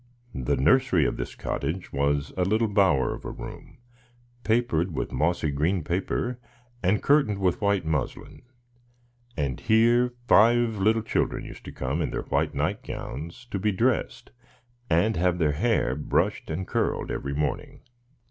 The nursery of this cottage was a little bower of a room, papered with mossy green paper, and curtained with white muslin; and here five little children used to come, in their white nightgowns, to be dressed and have their hair brushed and curled every morning.